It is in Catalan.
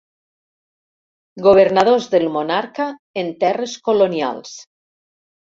Governadors del monarca en terres colonials.